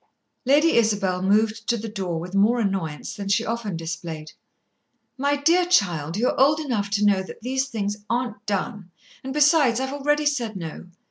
Lady Isabel moved to the door with more annoyance than she often displayed. "My dear child, you're old enough to know that these things aren't done, and besides, I've already said no.